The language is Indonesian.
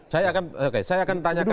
saya akan oke saya akan tanyakan